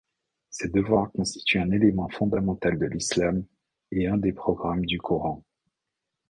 Ces devoirs constituent un élément fondamental de l’Islam et un des programmes du Coran.